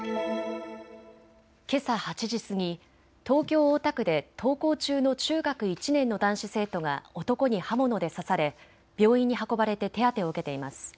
けさ８時過ぎ、東京大田区で登校中の中学１年の男子生徒が男に刃物で刺され病院に運ばれて手当てを受けています。